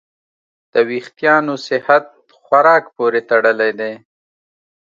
د وېښتیانو صحت خوراک پورې تړلی دی.